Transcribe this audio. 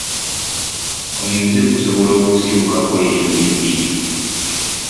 Omuze gusobola okusibukako erinnya ebbi.